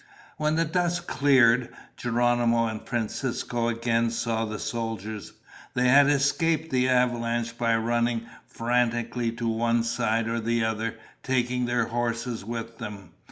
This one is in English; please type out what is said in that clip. When the dust cleared, Geronimo and Francisco again saw the soldiers. They had escaped the avalanche by running frantically to one side or the other, taking their horses with them.